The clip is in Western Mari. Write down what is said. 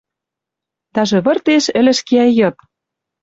Даже выртеш ӹлӹж кеӓ йыд.